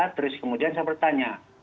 terus kemudian saya bertanya